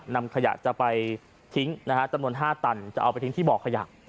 นำขยะจะไปทิ้งนะฮะจำนวน๕ตันจะเอาไปทิ้งที่บ่อขยะ